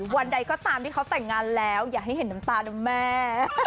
วันใดก็ตามที่เขาแต่งงานแล้วอย่าให้เห็นน้ำตานะแม่